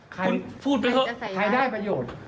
ใครได้ประโยชน์